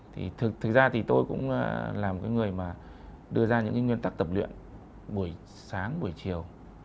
thì thực ra thì tôi cũng làm cái người mà đưa ra những cái nguyên tắc tập luyện buổi sáng buổi chiều